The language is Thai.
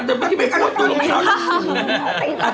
เดี๋ยวไม่ได้การเตียงลมเทาเลย